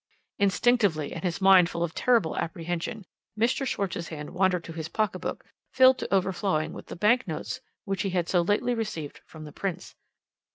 "Instinctively, and his mind full of terrible apprehension, Mr. Schwarz's hand wandered to his pocket book, filled to overflowing with the bank notes which he had so lately received from the Prince.